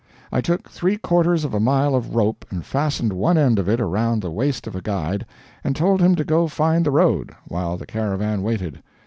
I took three quarters of a mile of rope and fastened one end of it around the waist of a guide, and told him to go find the road, while the caravan waited.